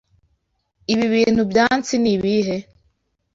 Ibi bintu byatsi ni ibihe?